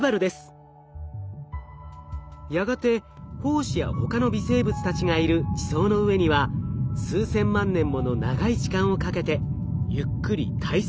やがて胞子やほかの微生物たちがいる地層の上には数千万年もの長い時間をかけてゆっくり堆積物が降り積もっていきます。